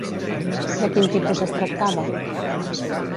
De quin tipus es tractava?